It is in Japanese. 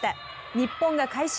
日本が快勝。